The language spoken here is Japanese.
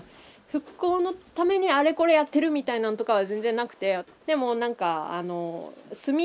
復興のためにあれこれやってるみたいなんとかは全然なくて。